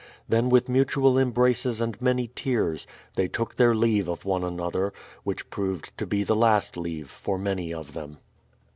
Then with mutual embraces and many tears, they took their leave of one another, — which proved to be the last leave for many of them.